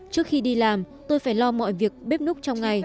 trước khi đi làm tôi phải lo mọi việc